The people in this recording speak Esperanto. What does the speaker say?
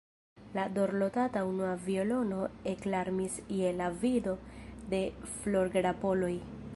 La dorlotata unua violono eklarmis je la vido de florgrapoloj.